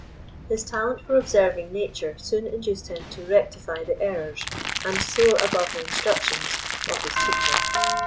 His talent for observing nature soon induced him to rectify the errors, and soar above the instructions, of his teacher.